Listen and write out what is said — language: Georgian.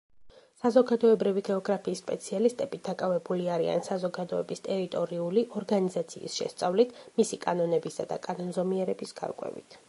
საზოგადოებრივი გეოგრაფიის სპეციალისტები დაკავებული არიან საზოგადოების ტერიტორიული ორგანიზაციის შესწავლით, მისი კანონებისა და კანონზომიერებების გარკვევით.